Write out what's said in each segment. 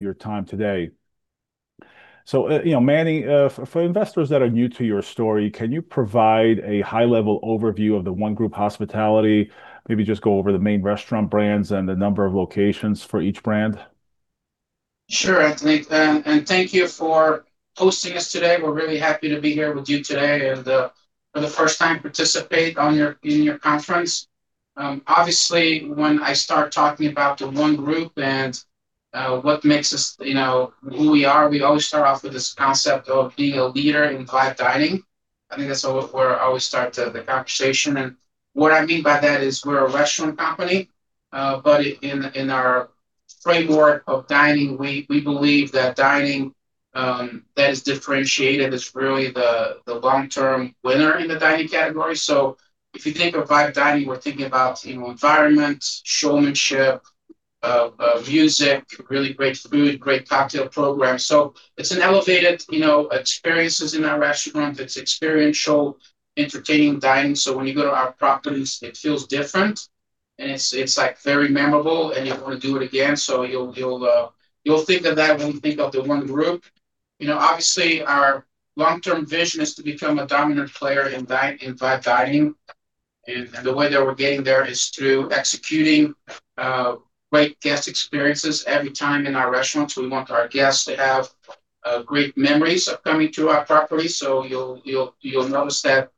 Your time today. You know, Manny, for investors that are new to your story, can you provide a high-level overview of The ONE Group Hospitality? Maybe just go over the main restaurant brands and the number of locations for each brand. Sure, Anthony. And thank you for hosting us today. We're really happy to be here with you today and for the first time participate in your conference. Obviously, when I start talking about the ONE Group and what makes us, you know, who we are, we always start off with this concept of being a leader in vibe dining. I think that's where I always start the conversation. What I mean by that is we're a restaurant company, but in our framework of dining, we believe that dining that is differentiated is really the long-term winner in the dining category. If you think of vibe dining, we're thinking about, you know, environment, showmanship, music, really great food, great cocktail program. It's an elevated, you know, experiences in our restaurant. It's experiential, entertaining dining. When you go to our properties, it feels different and it's like very memorable, and you wanna do it again. You'll think of that when you think of The ONE Group. You know, obviously, our long-term vision is to become a dominant player in vibe dining. The way that we're getting there is through executing great guest experiences every time in our restaurants. We want our guests to have great memories of coming to our property. You'll notice that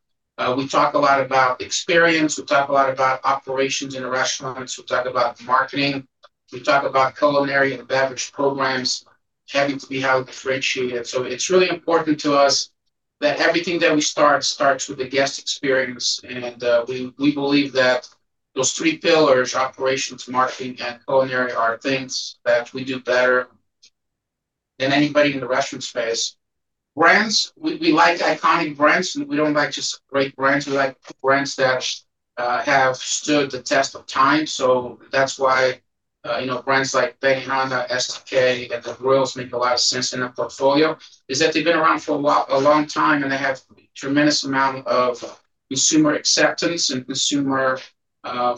we talk a lot about experience. We talk a lot about operations in the restaurants. We talk about marketing. We talk about culinary and beverage programs having to be highly differentiated. It's really important to us that everything starts with the guest experience. We believe that those three pillars, operations, marketing, and culinary, are things that we do better than anybody in the restaurant space. Brands, we like iconic brands. We don't like just great brands. We like brands that have stood the test of time. That's why, you know, brands like Benihana, STK, and Kona Grill make a lot of sense in our portfolio, is that they've been around for a long time, and they have tremendous amount of consumer acceptance and consumer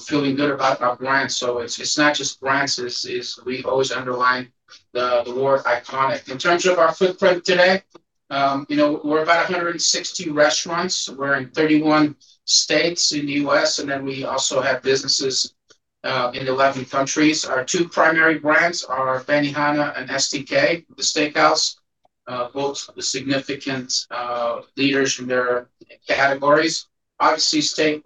feeling good about our brands. It's not just brands, it's we've always underlined the word iconic. In terms of our footprint today, you know, we're about 160 restaurants. We're in 31 states in the U.S., and then we also have businesses in 11 countries. Our two primary brands are Benihana and STK, the steakhouse, both the significant leaders from their categories. Obviously,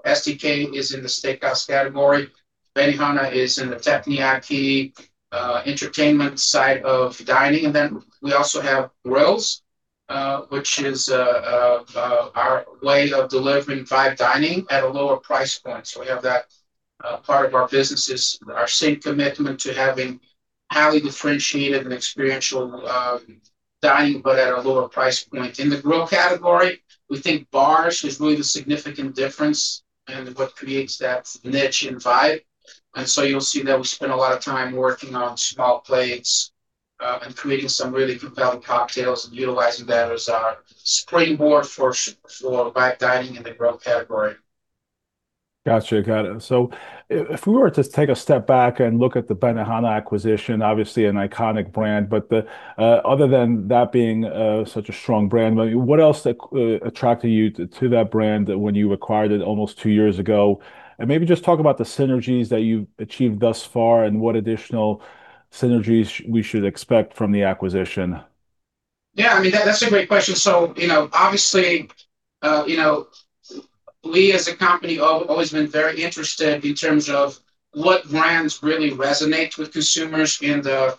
STK is in the steakhouse category. Benihana is in the teppanyaki entertainment side of dining. We also have Kona Grill, which is our way of delivering vibe dining at a lower price point. We have that part of our business is our same commitment to having highly differentiated and experiential dining but at a lower price point. In the Kona Grill category, we think bars is really the significant difference and what creates that niche and vibe. You'll see that we spend a lot of time working on small plates and creating some really compelling cocktails and utilizing that as our springboard for vibe dining in the Kona Grill category. Got you. Got it. If we were to take a step back and look at the Benihana acquisition, obviously an iconic brand, but the other than that being such a strong brand, what else attracted you to that brand when you acquired it almost two years ago? Maybe just talk about the synergies that you've achieved thus far and what additional synergies we should expect from the acquisition. Yeah. I mean, that's a great question. You know, obviously, you know, we as a company always been very interested in terms of what brands really resonate with consumers in the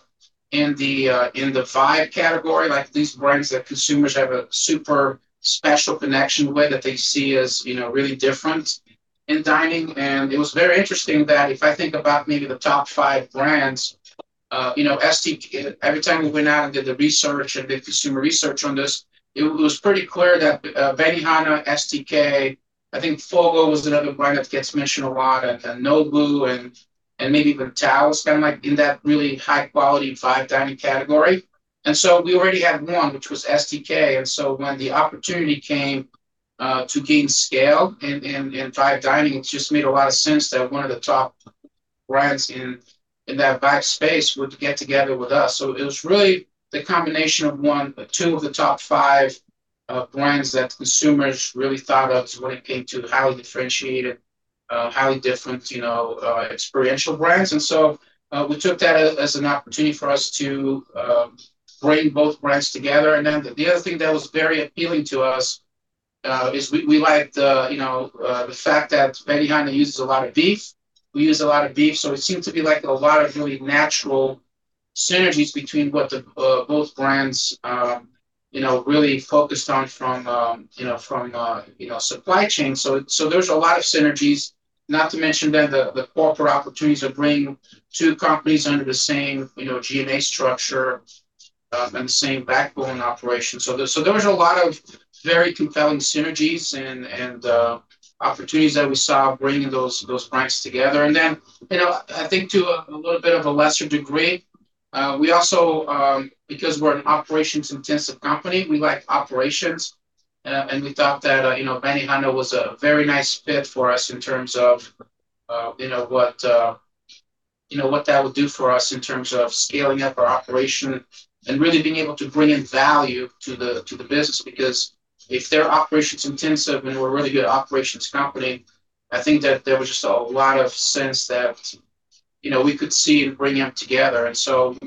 vibe category. Like, these brands that consumers have a super special connection with that they see as, you know, really different in dining. It was very interesting that if I think about maybe the top five brands, you know, every time we went out and did the research and did consumer research on this, it was pretty clear that Benihana, STK, I think Fogo was another brand that gets mentioned a lot, and Nobu and maybe even Tao is kinda like in that really high-quality vibe dining category. We already had one, which was STK. When the opportunity came to gain scale in vibe dining, it just made a lot of sense that one of the top brands in that vibe space would get together with us. It was really the combination of one, two of the top five brands that consumers really thought of when it came to highly differentiated, highly different, you know, experiential brands. We took that as an opportunity for us to bring both brands together. The other thing that was very appealing to us is we liked, you know, the fact that Benihana uses a lot of beef. We use a lot of beef, so it seemed to be like a lot of really natural synergies between what the both brands you know really focused on from supply chain. There's a lot of synergies, not to mention then the corporate opportunities of bringing two companies under the same you know G&A structure and the same backbone operation. There was a lot of very compelling synergies and opportunities that we saw bringing those brands together. You know, I think to a little bit of a lesser degree, we also, because we're an operations-intensive company, we like operations, and we thought that, you know, Benihana was a very nice fit for us in terms of, you know what that would do for us in terms of scaling up our operation and really being able to bring in value to the business. Because if they're operations intensive and we're a really good operations company, I think that there was just a lot of sense that, you know, we could see bringing them together.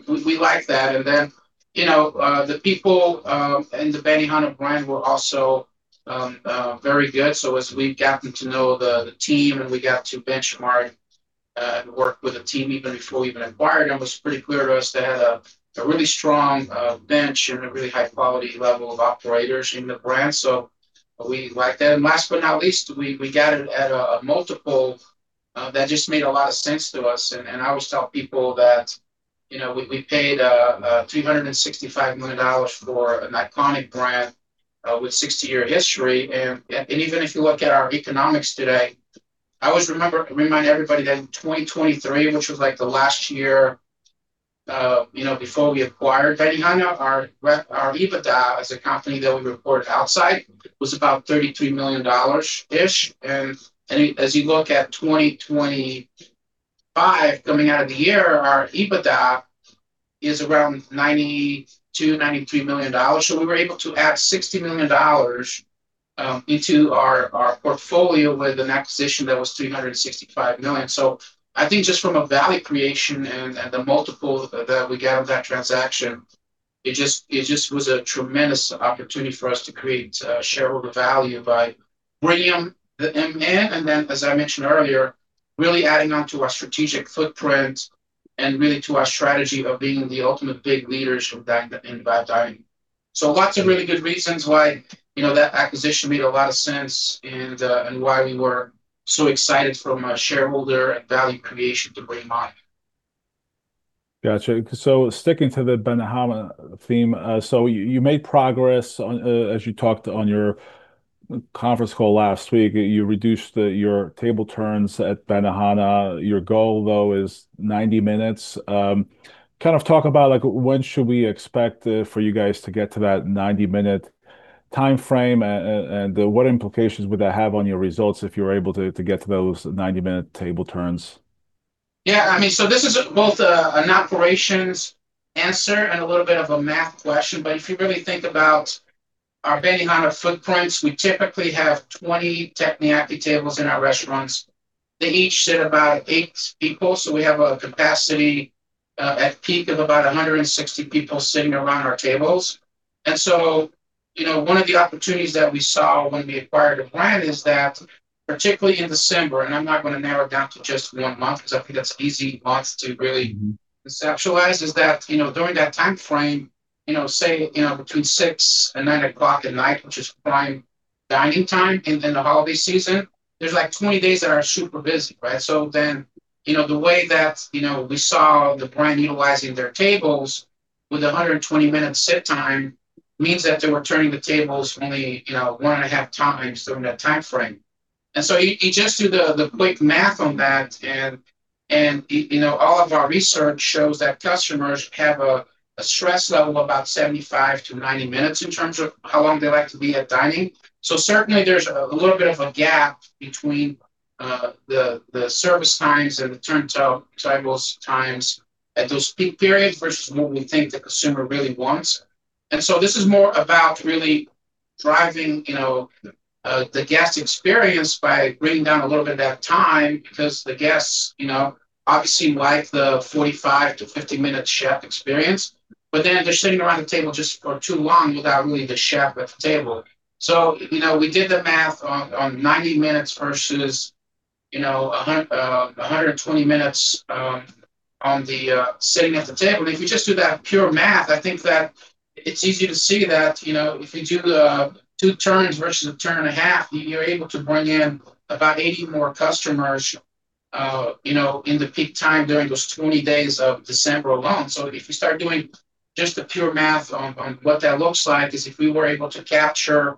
We liked that. You know, the people and the Benihana brand were also very good. As we've gotten to know the team and we got to benchmark and work with the team even before we even acquired them, it was pretty clear to us they had a really strong bench and a really high quality level of operators in the brand. We liked that. Last but not least, we got it at a multiple that just made a lot of sense to us. I always tell people that, you know, we paid $365 million for an iconic brand with 60-year history. Even if you look at our economics today, I always remind everybody that in 2023, which was like the last year before we acquired Benihana, our EBITDA as a company that we report outside was about $33 million-ish. As you look at 2025 coming out of the year, our EBITDA is around $92-$93 million. We were able to add $60 million into our portfolio with an acquisition that was $365 million. I think just from a value creation and the multiple that we get out of that transaction, it just was a tremendous opportunity for us to create shareholder value by bringing them in. as I mentioned earlier, really adding on to our strategic footprint and really to our strategy of being the ultimate big leaders in fine dining. Lots of really good reasons why, you know, that acquisition made a lot of sense and why we were so excited from a shareholder value creation to bring mine. Got you. Sticking to the Benihana theme, you made progress on, as you talked on your conference call last week. You reduced your table turns at Benihana. Your goal, though, is 90 minutes. Kind of talk about, like when should we expect for you guys to get to that 90-minute timeframe and what implications would that have on your results if you're able to get to those 90-minute table turns? Yeah. I mean, this is both an operations answer and a little bit of a math question. If you really think about our Benihana footprints, we typically have 20 teppanyaki tables in our restaurants. They each sit about 8 people, so we have a capacity at peak of about 160 people sitting around our tables. You know, one of the opportunities that we saw when we acquired the brand is that particularly in December, and I'm not gonna narrow it down to just one month, because I think that's an easy month to really conceptualize, is that you know, during that timeframe, you know, say, you know, between 6:00 P.M. and 9:00 P.M., which is prime dining time in the holiday season, there's like 20 days that are super busy, right? You know, the way that, you know, we saw the brand utilizing their tables with a 120-minute sit time means that they were turning the tables only, you know, 1.5x during that timeframe. You just do the quick math on that and you know, all of our research shows that customers have a stress level of about 75-90 minutes in terms of how long they like to be at dining. Certainly there's a little bit of a gap between the service times and the table turn times at those peak periods versus what we think the consumer really wants. This is more about really driving, you know, the guest experience by bringing down a little bit of that time because the guests, you know, obviously like the 45-50-minute chef experience, but then they're sitting around the table just for too long without really the chef at the table. You know, we did the math on 90 minutes versus, you know, 120 minutes on the sitting at the table. If you just do that pure math, I think that it's easy to see that, you know, if you do the two turns versus a turn and a half, you're able to bring in about 80 more customers, you know, in the peak time during those 20 days of December alone. If you start doing just the pure math on what that looks like is if we were able to capture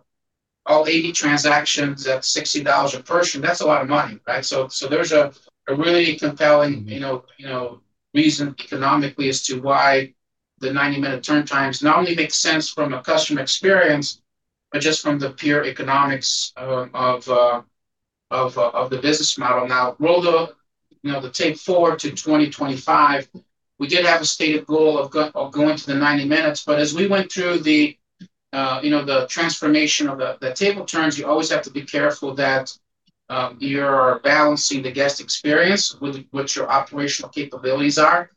all 80 transactions at $60 a person, that's a lot of money, right? So there's a really compelling, you know, reason economically as to why the 90-minute turn times not only makes sense from a customer experience, but just from the pure economics of the business model. Now roll the tape forward to 2025, we did have a stated goal of going to the 90 minutes. As we went through the transformation of the table turns, you always have to be careful that you're balancing the guest experience with what your operational capabilities are.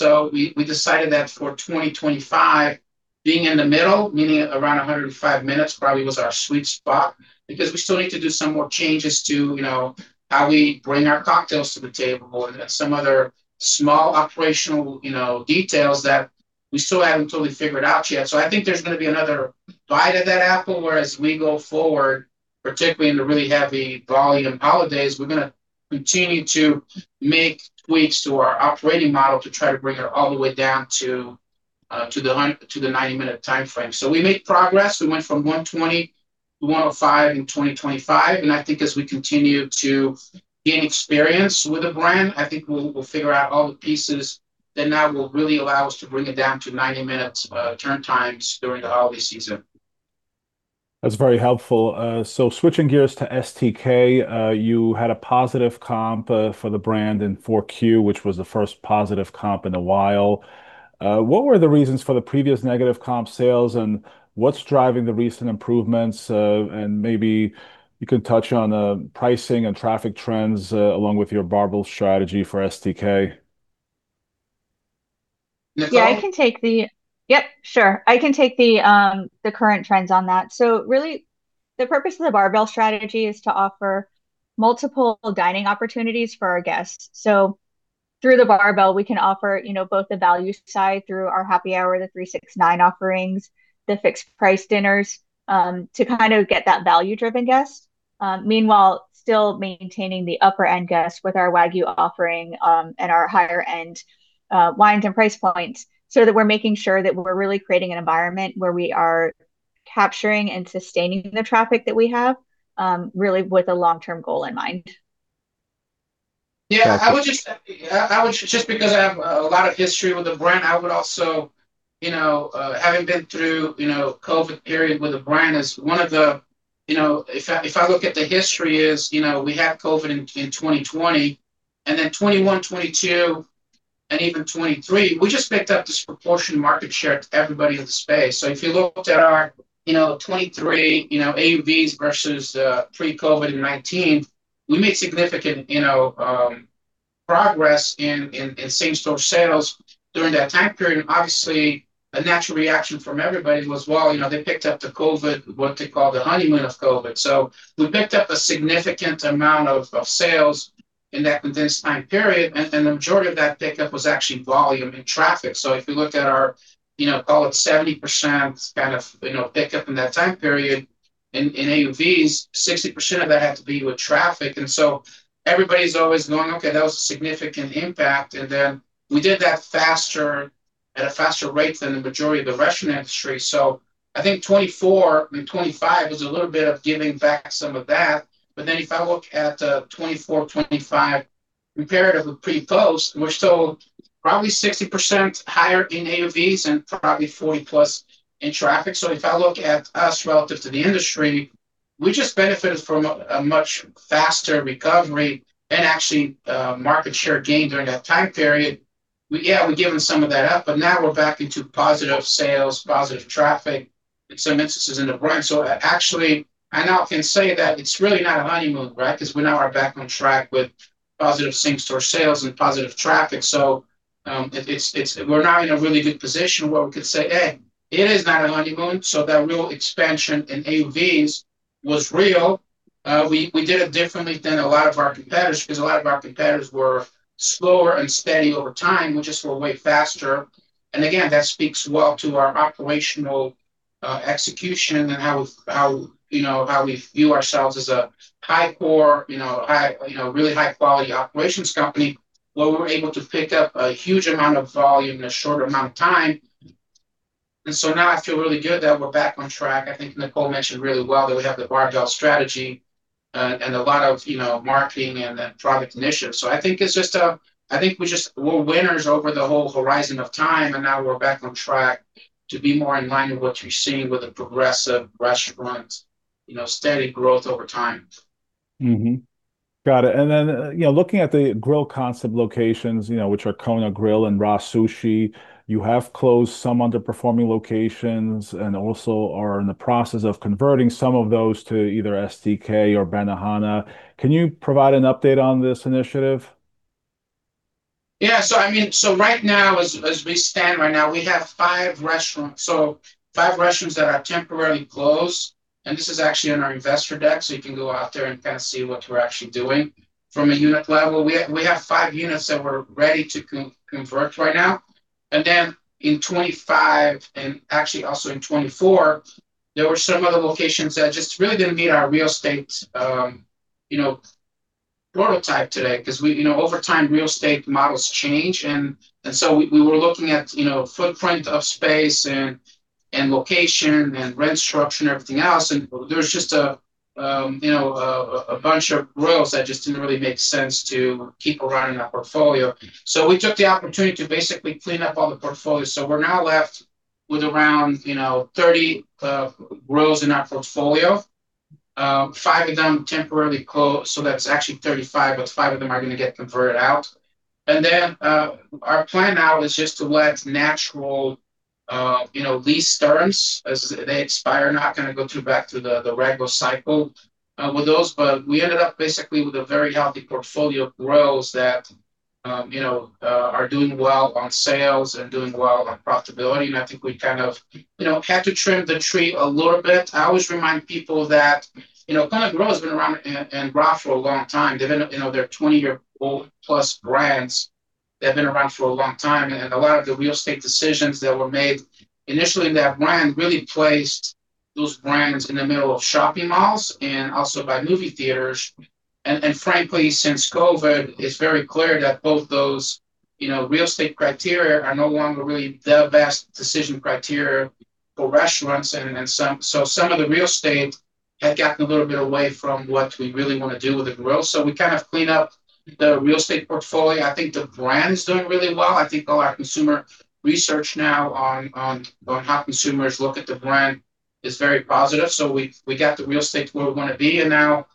We decided that for 2025 being in the middle, meaning around 105 minutes probably was our sweet spot because we still need to do some more changes to, you know, how we bring our cocktails to the table and some other small operational, you know, details that we still haven't totally figured out yet. I think there's gonna be another bite of that apple, whereas we go forward, particularly in the really heavy volume holidays, we're gonna continue to make tweaks to our operating model to try to bring it all the way down to the 90-minute timeframe. We made progress. We went from 120 - 105 in 2025, and I think as we continue to gain experience with the brand, I think we'll figure out all the pieces then that will really allow us to bring it down to 90 minutes turn times during the holiday season. That's very helpful. Switching gears to STK, you had a positive comp for the brand in Q4, which was the first positive comp in a while. What were the reasons for the previous negative comp sales, and what's driving the recent improvements? Maybe you can touch on pricing and traffic trends, along with your barbell strategy for STK. I can take the current trends on that. Really the purpose of the barbell strategy is to offer multiple dining opportunities for our guests. Through the barbell, we can offer, you know, both the value side through our happy hour, the three-six-nine offerings, the fixed price dinners, to kind of get that value-driven guest. Meanwhile still maintaining the upper-end guests with our Wagyu offering, and our higher-end wines and price points, so that we're making sure that we're really creating an environment where we are capturing and sustaining the traffic that we have, really with a long-term goal in mind. Got it. Yeah. I would just because I have a lot of history with the brand. I would also, you know, having been through, you know, the COVID period with the brand as one of the. You know, if I look at the history, it's, you know, we had COVID in 2020 and then 2021, 2022 and even 2023. We just picked up disproportionate market share to everybody in the space. If you look at our 2023 AOV versus pre-COVID in 2019, we made significant progress in same-store sales during that time period. Obviously, a natural reaction from everybody was, well, you know, they picked up during COVID, what they call the honeymoon of COVID. We picked up a significant amount of sales in that condensed time period. The majority of that pickup was actually volume and traffic. If you look at our, you know, call it 70% kind of, you know, pickup in that time period in AOV, 60% of that had to do with traffic. Everybody's always going, "Okay, that was a significant impact." Then we did that faster, at a faster rate than the majority of the restaurant industry. I think 2024 and 2025 was a little bit of giving back some of that. Then if I look at 2024/2025 compared with pre/post, we're still probably 60% higher in AOV and probably 40+ in traffic. If I look at us relative to the industry, we just benefited from a much faster recovery and actually market share gain during that time period. Yeah, we've given some of that up, but now we're back into positive sales, positive traffic in some instances in the brand. Actually, I now can say that it's really not a honeymoon, right? Because we now are back on track with positive same-store sales and positive traffic. We're now in a really good position where we could say, "Hey, it is not a honeymoon." That real expansion in AOV was real. We did it differently than a lot of our competitors because a lot of our competitors were slower and steady over time. We just were way faster. Again, that speaks well to our operational execution and how you know how we view ourselves as a high core you know high you know really high-quality operations company where we're able to pick up a huge amount of volume in a short amount of time. Now I feel really good that we're back on track. I think Nicole mentioned really well that we have the barbell strategy and a lot of you know marketing and product initiatives. I think we're winners over the whole horizon of time, and now we're back on track to be more in line with what you're seeing with a progressive restaurant you know steady growth over time. Got it. You know, looking at the grill concept locations, you know, which are Kona Grill and RA Sushi, you have closed some underperforming locations and also are in the process of converting some of those to either STK or Benihana. Can you provide an update on this initiative? Yeah. I mean, right now, as we stand right now, we have five restaurants. Five restaurants that are temporarily closed, and this is actually on our investor deck, so you can go out there and kind of see what we're actually doing from a unit level. We have five units that we're ready to convert right now. In 2025, and actually also in 2024, there were some other locations that just really didn't meet our real estate prototype today because we, you know, over time, real estate models change and so we were looking at, you know, footprint of space and location and rent structure and everything else. There was just a, you know, a bunch of grills that just didn't really make sense to keep around in our portfolio. We took the opportunity to basically clean up all the portfolio. We're now left with around, you know, 30 grills in our portfolio, five of them temporarily closed. That's actually 35, but five of them are gonna get converted out. Our plan now is just to let natural, you know, lease terms as they expire, not gonna go through back to the regular cycle with those. We ended up basically with a very healthy portfolio of grills that, you know, are doing well on sales and doing well on profitability. I think we kind of, you know, had to trim the tree a little bit. I always remind people that, you know, Kona Grill has been around and RA for a long time. They've been, you know, they're 20-year-old plus brands. They've been around for a long time. A lot of the real estate decisions that were made initially in that brand really placed those brands in the middle of shopping malls and also by movie theaters. Frankly, since COVID, it's very clear that both those, you know, real estate criteria are no longer really the best decision criteria for restaurants. Some of the real estate had gotten a little bit away from what we really wanna do with the Grill. We kind of cleaned up the real estate portfolio. I think the brand's doing really well. I think all our consumer research now on how consumers look at the brand is very positive. We got the real estate where we wanna be, and now,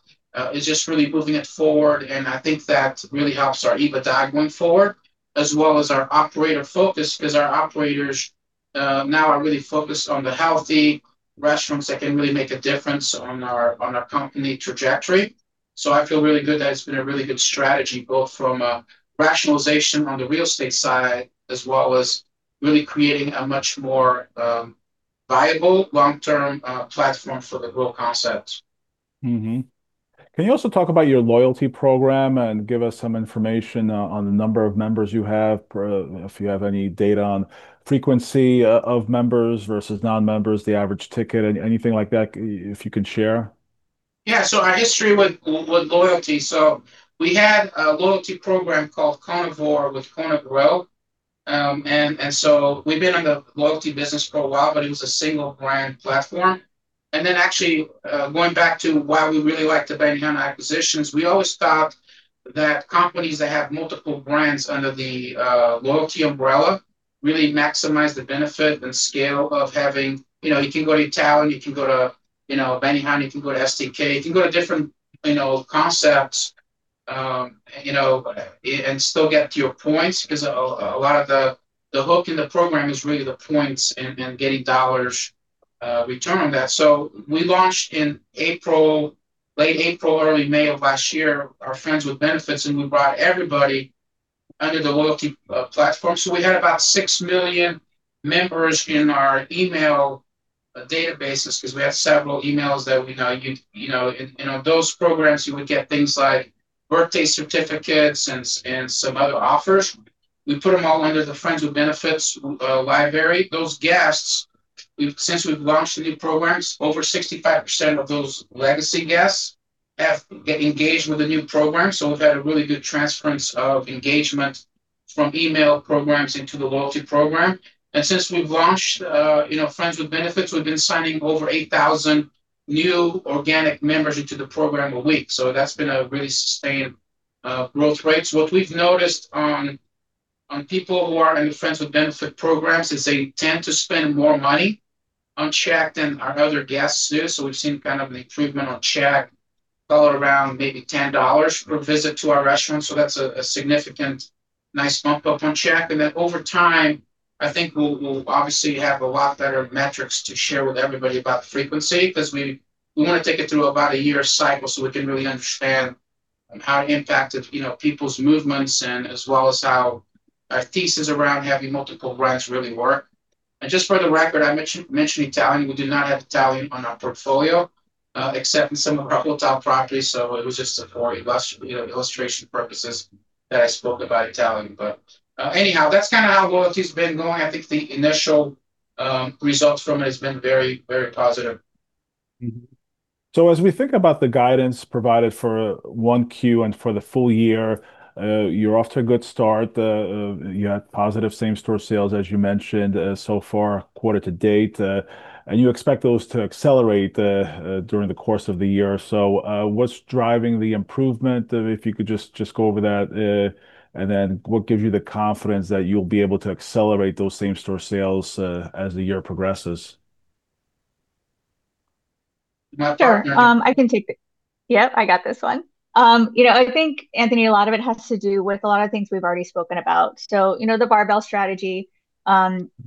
it's just really moving it forward, and I think that really helps our EBITDA going forward, as well as our operator focus. Because our operators now are really focused on the healthy restaurants that can really make a difference on our company trajectory. I feel really good that it's been a really good strategy, both from a rationalization on the real estate side, as well as really creating a much more viable long-term platform for the Grill concept. Mm-hmm. Can you also talk about your loyalty program and give us some information on the number of members you have? If you have any data on frequency of members versus non-members, the average ticket, anything like that, if you can share. Our history with loyalty. We had a loyalty program called Carnivore with Kona Grill. We've been in the loyalty business for a while, but it was a single brand platform. Actually, going back to why we really liked the Benihana acquisitions, we always thought that companies that have multiple brands under the loyalty umbrella really maximize the benefit and scale of having you know, you can go to Italian, you can go to Benihana, you can go to STK. You can go to different concepts and still get your points 'cause a lot of the hook in the program is really the points and getting dollars return on that. We launched in April, late April, early May of last year, our Friends with Benefits, and we brought everybody under the loyalty platform. We had about 6 million members in our email databases 'cause we had several emails that we now use. You know, in those programs you would get things like birthday certificates and some other offers. We put them all under the Friends with Benefits library. Those guests, we've since we've launched the new programs, over 65% of those legacy guests have engaged with the new program. We've had a really good transference of engagement from email programs into the loyalty program. Since we've launched, you know, Friends with Benefits, we've been signing over 8,000 new organic members into the program a week. That's been a really sustained growth rate. What we've noticed on people who are in Friends with Benefits programs is they tend to spend more money on check than our other guests do. We've seen kind of an improvement on check all around maybe $10 per visit to our restaurants. That's a significant nice bump up on check. Then over time, I think we'll obviously have a lot better metrics to share with everybody about frequency, 'cause we wanna take it through about a year cycle, so we can really understand on how it impacted, you know, people's movements and as well as how our thesis around having multiple brands really work. Just for the record, I mentioned Italian. We do not have Italian on our portfolio, except in some of our hotel properties. It was just for—you know, illustration purposes that I spoke about Italian. Anyhow, that's kinda how loyalty's been going. I think the initial results from it has been very, very positive. As we think about the guidance provided for 1Q and for the full year, you're off to a good start. You had positive same-store sales, as you mentioned, so far quarter-to-date. And you expect those to accelerate during the course of the year. What's driving the improvement? If you could just go over that. And then what gives you the confidence that you'll be able to accelerate those same-store sales as the year progresses? Sure. Sure. I can take it. Yep, I got this one. You know, I think, Anthony, a lot of it has to do with a lot of things we've already spoken about. You know, the barbell strategy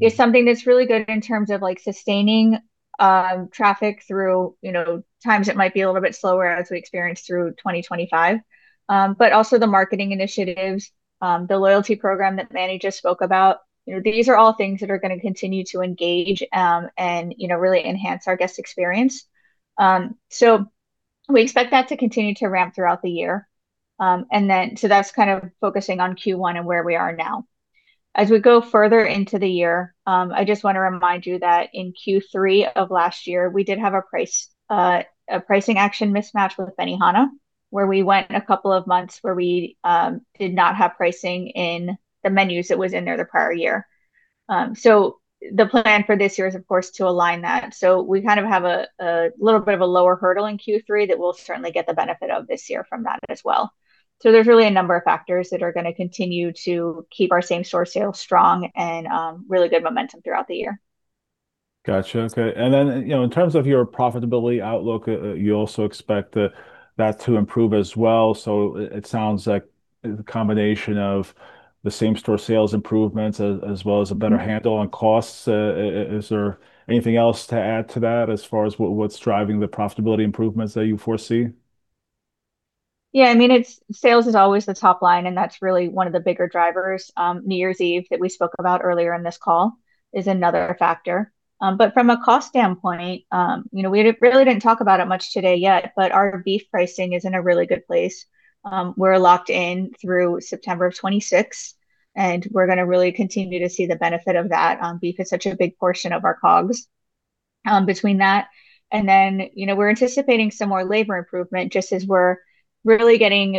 is something that's really good in terms of like sustaining traffic through, you know, times it might be a little bit slower as we experience through 2025. Also the marketing initiatives, the loyalty program that Manny just spoke about. You know, these are all things that are gonna continue to engage and really enhance our guest experience. We expect that to continue to ramp throughout the year. That's kind of focusing on Q1 and where we are now. As we go further into the year, I just wanna remind you that in Q3 of last year, we did have a pricing action mismatch with Benihana, where we went a couple of months where we did not have pricing in the menus that was in there the prior year. The plan for this year is, of course, to align that. We kind of have a little bit of a lower hurdle in Q3 that we'll certainly get the benefit of this year from that as well. There's really a number of factors that are gonna continue to keep our same-store sales strong and really good momentum throughout the year. Gotcha. Okay. You know, in terms of your profitability outlook, you also expect that to improve as well. It sounds like the combination of the same-store sales improvements as well as a better handle on costs. Is there anything else to add to that as far as what's driving the profitability improvements that you foresee? Yeah. I mean, it's sales is always the top line, and that's really one of the bigger drivers. New Year's Eve that we spoke about earlier in this call is another factor. From a cost standpoint, you know, we really didn't talk about it much today yet, but our beef pricing is in a really good place. We're locked in through September of 2026, and we're gonna really continue to see the benefit of that. Beef is such a big portion of our COGS. Between that and then, you know, we're anticipating some more labor improvement just as we're really getting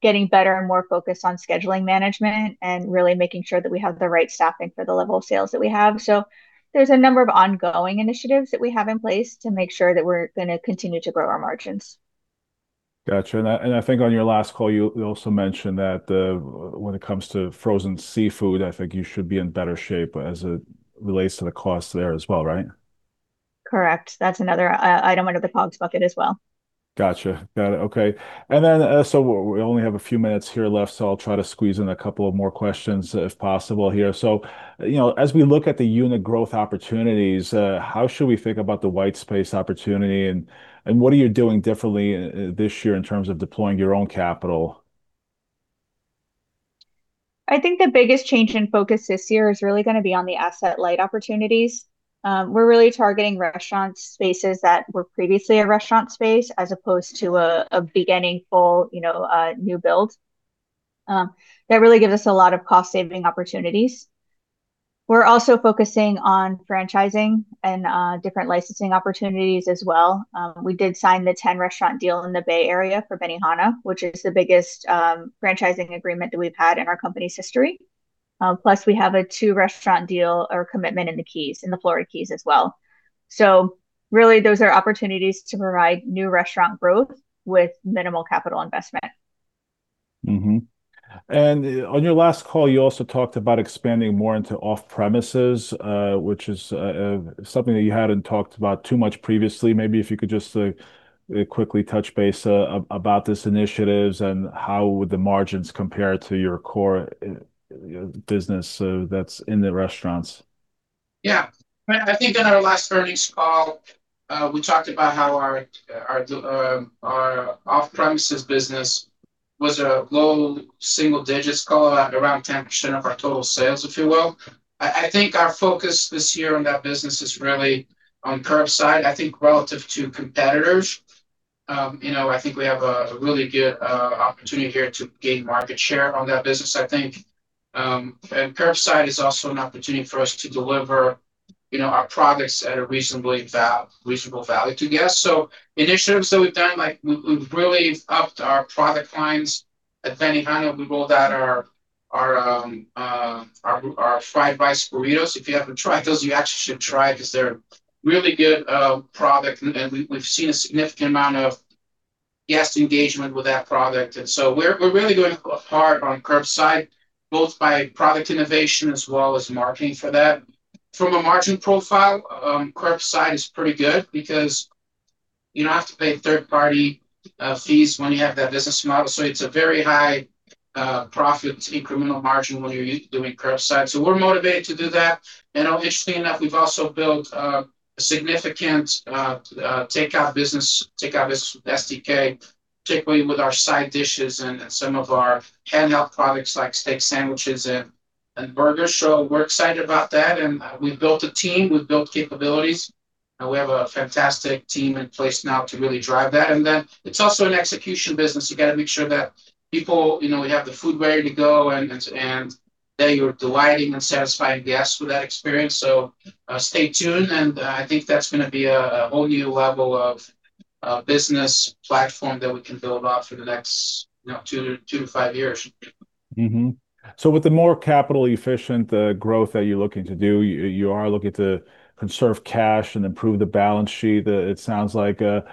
better and more focused on scheduling management and really making sure that we have the right staffing for the level of sales that we have. There's a number of ongoing initiatives that we have in place to make sure that we're gonna continue to grow our margins. Gotcha. I think on your last call, you also mentioned that when it comes to frozen seafood, I think you should be in better shape as it relates to the cost there as well, right? Correct. That's another item under the COGS bucket as well. Gotcha. Got it. Okay. We only have a few minutes here left, so I'll try to squeeze in a couple of more questions if possible here. You know, as we look at the unit growth opportunities, how should we think about the white space opportunity and what are you doing differently this year in terms of deploying your own capital? I think the biggest change in focus this year is really gonna be on the asset-light opportunities. We're really targeting restaurant spaces that were previously a restaurant space as opposed to a new build. That really gives us a lot of cost-saving opportunities. We're also focusing on franchising and different licensing opportunities as well. We did sign the 10-restaurant deal in the Bay Area for Benihana, which is the biggest franchising agreement that we've had in our company's history. Plus, we have a two-restaurant deal or commitment in the Keys, in the Florida Keys as well. Really, those are opportunities to provide new restaurant growth with minimal capital investment. Mm-hmm. On your last call, you also talked about expanding more into off-premises, which is something that you hadn't talked about too much previously. Maybe if you could just quickly touch base about these initiatives and how would the margins compare to your core business that's in the restaurants. Yeah. I think in our last earnings call, we talked about how our off-premises business was a low double single digits, call it around 10% of our total sales, if you will. I think our focus this year on that business is really on curbside. I think relative to competitors, you know, I think we have a really good opportunity here to gain market share on that business. I think, and curbside is also an opportunity for us to deliver, you know, our products at a reasonable value to guests. Initiatives that we've done, like we've really upped our product lines. At Benihana, we rolled out our fried rice burritos. If you haven't tried those, you actually should try because they're a really good product, and we've seen a significant amount of guest engagement with that product. We're really going hard on curbside, both by product innovation as well as marketing for that. From a margin profile, curbside is pretty good because you don't have to pay third-party fees when you have that business model, so it's a very high profit incremental margin when you're doing curbside. We're motivated to do that. Interestingly enough, we've also built a significant takeout business with STK, particularly with our side dishes and some of our handheld products like steak sandwiches and burgers. We're excited about that, and we've built a team, we've built capabilities, and we have a fantastic team in place now to really drive that. Then it's also an execution business. You gotta make sure that people, you know, we have the food ready to go and that you're delighting and satisfying guests with that experience. Stay tuned, and I think that's gonna be a whole new level of business platform that we can build off for the next, you know, two years to five years. Mm-hmm. With the more capital efficient growth that you're looking to do, you are looking to conserve cash and improve the balance sheet, it sounds like. You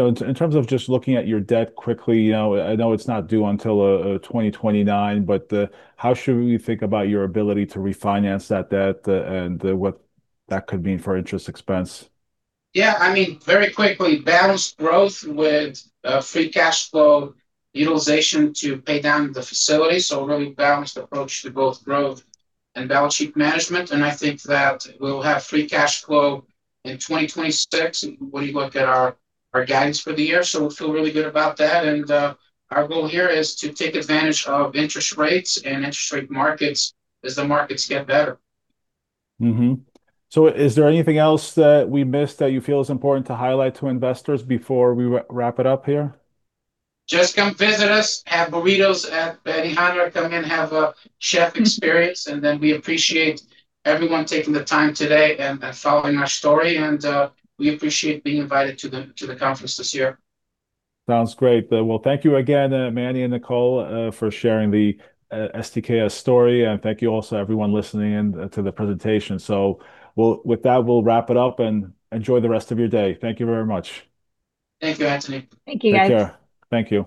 know, in terms of just looking at your debt quickly, you know, I know it's not due until 2029, but how should we think about your ability to refinance that debt, and what that could mean for interest expense? Yeah, I mean, very quickly, balanced growth with free cash flow utilization to pay down the facility. A really balanced approach to both growth and balance sheet management. I think that we'll have free cash flow in 2026 when you look at our guidance for the year, so we feel really good about that. Our goal here is to take advantage of interest rates and interest rate markets as the markets get better. Mm-hmm. Is there anything else that we missed that you feel is important to highlight to investors before we wrap it up here? Just come visit us, have burritos at Benihana. Come in, have a chef experience. We appreciate everyone taking the time today and following our story. We appreciate being invited to the conference this year. Sounds great. Well, thank you again, Manny and Nicole, for sharing the STK's story, and thank you also everyone listening in to the presentation. With that, we'll wrap it up, and enjoy the rest of your day. Thank you very much. Thank you, Anthony. Thank you, guys. Take care. Thank you.